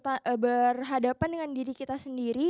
kita berhadapan dengan diri kita sendiri